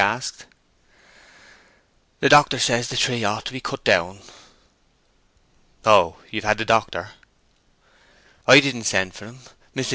asked he. "The doctor says the tree ought to be cut down." "Oh—you've had the doctor?" "I didn't send for him. Mrs.